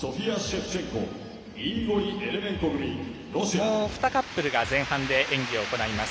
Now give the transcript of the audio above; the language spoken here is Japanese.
もう２カップルが前半で演技を行います。